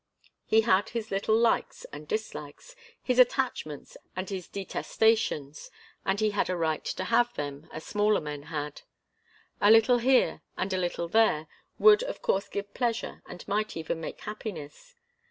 He had his little likes and dislikes, his attachments and his detestations, and he had a right to have them, as smaller men had. A little here and a little there would of course give pleasure and might even make happiness.